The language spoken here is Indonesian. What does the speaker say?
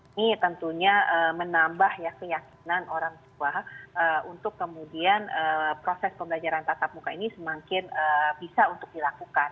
ini tentunya menambah keyakinan orang tua untuk kemudian proses pembelajaran tatap muka ini semakin bisa untuk dilakukan